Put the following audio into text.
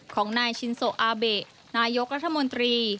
ของนายชินโซอาเบะนายกรัฐมนตรี